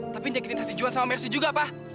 tapi nyakitin hati juhan sama mercy juga pa